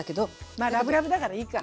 まあラブラブだからいいか。